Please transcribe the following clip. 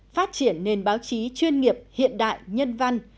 phát triển nền báo chí chuyên nghiệp hiện đại nhân văn